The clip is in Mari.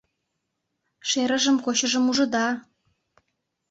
«Шерыжым-кочыжым ужыда!